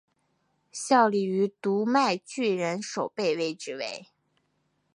效力于读卖巨人守备位置为。